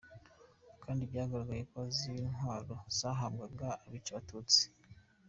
Kandi byagaragaye ko izi ntwaro zahabwaga abica Abatutsi.